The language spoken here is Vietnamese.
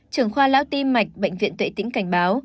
trưởng khoa lao tim mạch bệnh viện tuệ tĩnh cảnh báo